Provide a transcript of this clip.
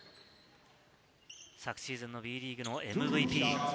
昨シーズンのＢリーグのＭＶＰ。